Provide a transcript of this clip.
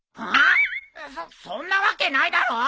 そっそんなわけないだろ！